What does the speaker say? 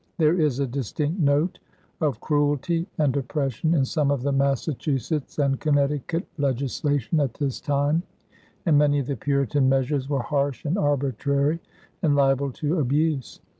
There is a distinct note of cruelty and oppression in some of the Massachusetts and Connecticut legislation at this time, and many of the Puritan measures were harsh and arbitrary and liable to abuse.